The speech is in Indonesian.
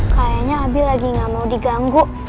kayaknya abi lagi gak mau diganggu